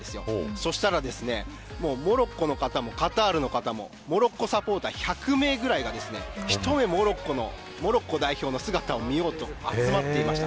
そしたらモロッコの方もカタールの方もモロッコサポーター１００名ぐらいが一目、モロッコ代表の姿を見ようと集まっていました。